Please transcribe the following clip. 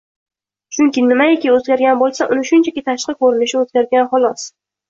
Chunki nimaiki o‘zgargan bo‘lsa, uni shunchaki tashqi ko‘rinishi o‘zgargan, xolos.